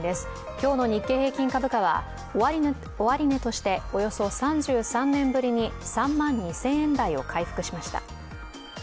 今日の日経平均株価は、終値としておよそ３３年ぶりに３万２０００円台を回復しました。